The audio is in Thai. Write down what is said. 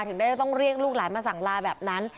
ถึงได้ต้องเรียกลูกหลานมาสั่งลาแบบนั้น